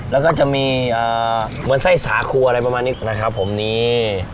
แล้วก็จะมีเหมือนไส้สาครัวอะไรประมาณนี้นะครับผมนี่